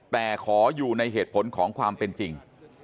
แต่ขออยู่ในเหตุผลของความเป็นจริง